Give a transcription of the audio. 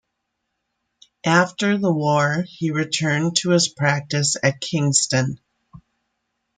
After the war he returned to his practice at Kingston.